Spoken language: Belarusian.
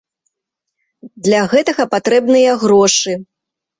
Для гэтага патрэбныя грошы.